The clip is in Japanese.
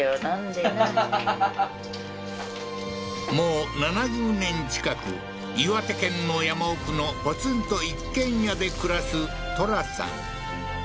もう７０年近く岩手県の山奥のポツンと一軒家で暮らすトラさん